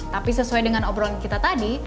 tapi sesuai dengan obrolan kita tadi